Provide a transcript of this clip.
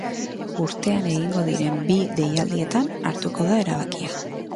Urtean egingo diren bi deialdietan hartuko da erabakia.